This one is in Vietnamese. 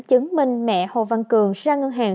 chứng minh mẹ hồ văn cường ra ngân hàng